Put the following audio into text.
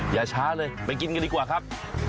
อย่าช้าเลยไปกินกันดีกว่าครับ